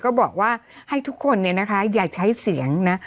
ก็บอกว่าให้ทุกคนเนี่ยนะคะอย่าใช้เสียงนะ